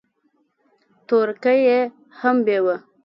تورکى يې هم بېوه.